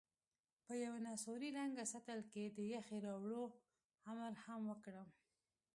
په یوه نسواري رنګه سطل کې د یخې راوړلو امر هم وکړم.